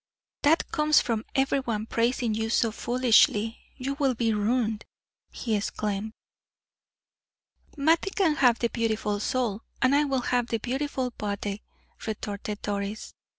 "That comes from every one praising you so foolishly; you will be ruined!" he exclaimed. "Mattie can have the beautiful soul, and I will have the beautiful body," retorted Doris.